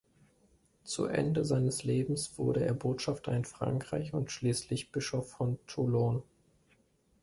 Zu Ende seines Lebens wurde er Botschafter in Frankreich und schließlich Bischof von Toulon.